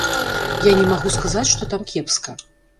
Я не магу сказаць, што там кепска.